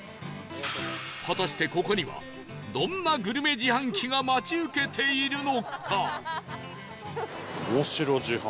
果たしてここにはどんなグルメ自販機が待ち受けているのか？